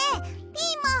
ピーマン。